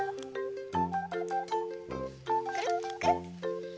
くるっくるっ。